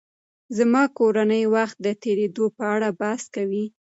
زما کورنۍ وخت د تېرېدو په اړه بحث کوي.